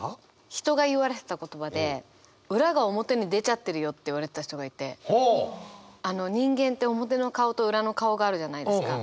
人が言われてた言葉で「裏が表に出ちゃってるよ」って言われてた人がいて人間って表の顔と裏の顔があるじゃないですか。